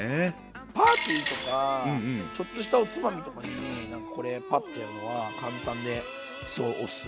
パーティーとかちょっとしたおつまみとかになんかこれパッとやるのは簡単ですごいおすすめ。